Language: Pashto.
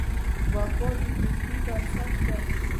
وفا د دوستۍ بنسټ دی.